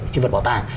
cái vật bảo tàng